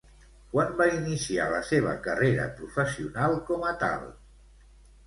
Quan va iniciar la seva carrera professional com a tal?